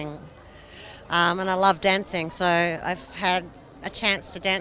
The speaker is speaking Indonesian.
jadi saya punya kesempatan untuk mencintai budaya tradisional dan masyarakat urban